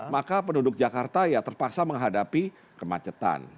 maka penduduk jakarta ya terpaksa menghadapi kemacetan